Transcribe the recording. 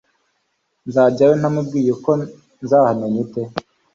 nzajyayo ntamubwiye ubwo nzahamenya ute